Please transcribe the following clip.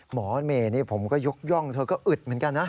หมอเมย์นี่ผมก็ยกย่องเธอก็อึดเหมือนกันนะ